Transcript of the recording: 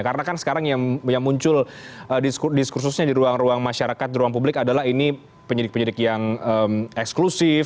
karena kan sekarang yang muncul diskursusnya di ruang ruang masyarakat di ruang publik adalah ini penyidik penyidik yang eksklusif